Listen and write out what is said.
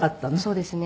そうですね。